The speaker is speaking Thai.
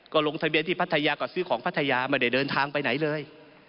ก็ลงทะเบียนที่พัทยาก็ซื้อของพัทยาไม่ได้เดินทางไปไหนเลย